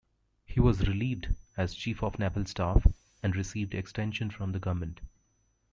He was relieved as Chief of Naval Staff, and received extension from the government.